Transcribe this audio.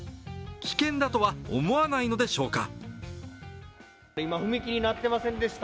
危険だとは思わないのでしょうか。